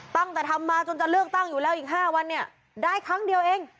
ตั้งแต่ทำมาจนจะเลือกตั้งอยู่แล้วอีก๕วันเนี่ยได้ครั้งเดียวเอง